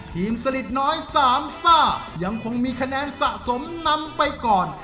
สลิดน้อยสามซ่ายังคงมีคะแนนสะสมนำไปก่อน